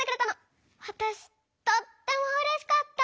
わたしとってもうれしかった。